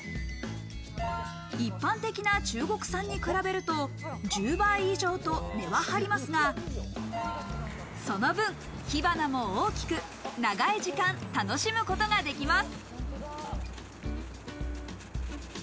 一般的な中国産に比べると１０倍以上と値は張りますが、その分、火花も大きく、長い時間、楽しむことができます。